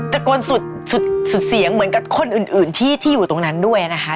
ตะโกนสุดเสียงเหมือนกับคนอื่นที่อยู่ตรงนั้นด้วยนะคะ